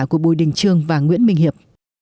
của bùi đình trương và nguyễn minh hiệp